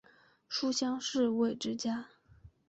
书香世胄之家。